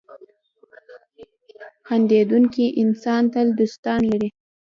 • خندېدونکی انسان تل دوستان لري.